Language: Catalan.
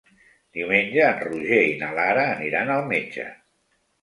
Diumenge en Roger i na Lara aniran al metge.